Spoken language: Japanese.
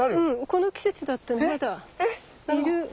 この季節だったらまだいる。